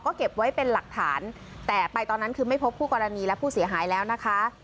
ก็เก็บไว้เป็นหลักฐานแต่ไปตอนนั้นคือไม่พบคู่กรณีและผู้เสียหายแล้วนะคะ